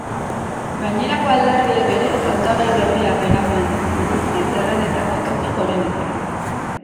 Gainerako alderdiek ere, hautagai berriak eraman dituzte zerrendetako toki gorenetara.